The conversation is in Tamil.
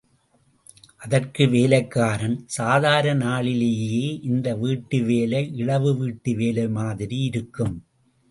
அதற்கு வேலைக்காரன், சாதாரண நாளிலேயே இந்த வீட்டு வேலை இழவு வீட்டு வேலை மாதிரி இருக்கும்.